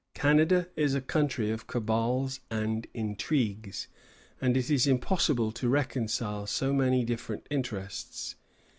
Canada is a country of cabals and intrigues, and it is impossible to reconcile so many different interests."